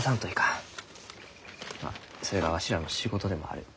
まあそれがわしらの仕事でもある。